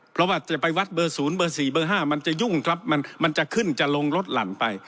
เพราะว่าจะไปวัดเบอร์๐เบอร์๔เบอร์๕มันจะยุ่งครับมันจะขึ้นจะลงรถหลั่นไป